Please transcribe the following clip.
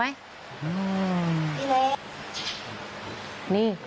อืม